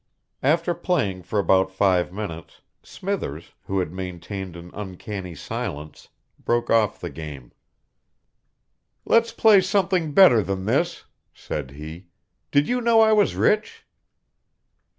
After playing for about five minutes, Smithers, who had maintained an uncanny silence, broke off the game. "Let's play something better than this," said he. "Did you know I was rich?"